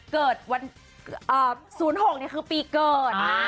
ขออภัย๐๖คือปีเกิด